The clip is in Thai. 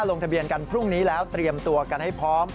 ลงทะเบียนกันพรุ่งนี้แล้วเตรียมตัวกันให้พร้อม